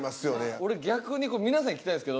俺逆に皆さんに聞きたいんですけど。